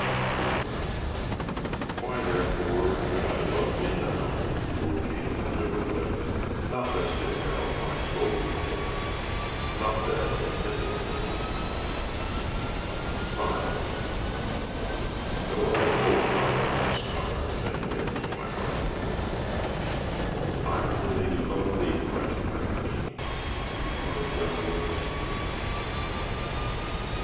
IV Why, therefore, should I love Thee now, O Jesus, ever blest? Not lest in hell my soul be cast, Not that in heaven it rest. V No other hope my love inspires, And wins my heart for Thee— I only love Thee, Christ, my King, Because Thou lovest me.